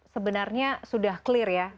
sebenarnya sudah jelas ya